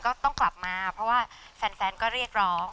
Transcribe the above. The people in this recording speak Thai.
ก็ต้องกลับมาเพราะว่าแฟนก็เรียกร้อง